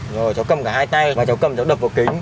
rồi cháu cầm cả hai tay và cháu cầm cháu đập vô kính